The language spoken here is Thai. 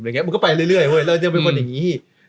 มึงก็ไปเรื่อยแล้วนึงยังเป็นคนอย่างนี้